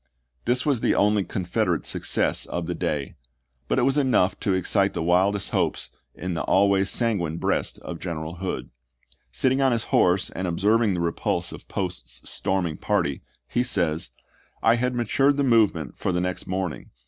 l This was the only Confed erate success of the day; but it was enough to excite the wildest hopes in the always sanguine breast of General Hood. Sitting on his horse and observing the repulse of Post's storming party, he says, " I had matured the movement for the next morning.